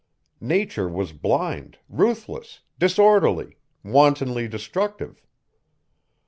Nature was blind, ruthless, disorderly, wantonly destructive.